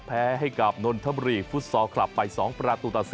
แพ้ให้กับนนทบุรีฟุตซอลคลับไป๒ประตูต่อ๔